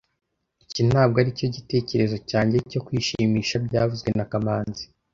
Iki ntabwo aricyo gitekerezo cyanjye cyo kwishimisha byavuzwe na kamanzi